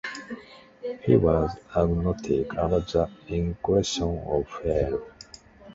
He was agnostic about the inclusion of Fali.